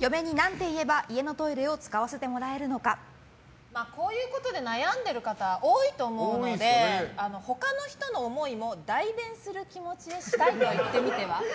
嫁に何ていえば家のトイレをこういうことで悩んでいる方多いと思うので、他の人の思いも「代弁」する気持ちでしたいと言ってみては？